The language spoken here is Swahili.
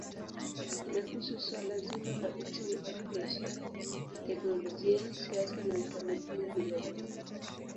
Inahusu suala zima la uchumi au biashara, teknolojia, siasa na utamaduni vilevile.